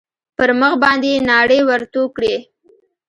پر مخ باندې يې ناړې ورتو کړې.